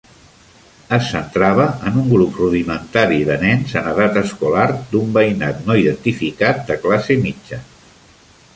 Es centrava en un grup rudimentari de nens en edat escolar d"un veïnat no identificat de classe mitja.